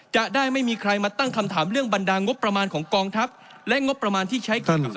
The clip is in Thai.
จะได้ไม่มีใครมาตั้งคำถามเรื่องบรรดางบประมาณของกองทัพและงบประมาณที่ใช้กับ